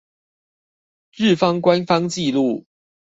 日方官方紀錄